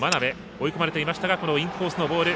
追い込まれていましたがこのインコースのボール。